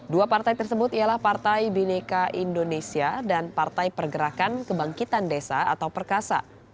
dua partai tersebut ialah partai bineka indonesia dan partai pergerakan kebangkitan desa atau perkasa